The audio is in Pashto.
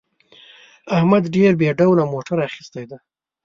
احمد ډېر بې ډوله موټر اخیستی دی.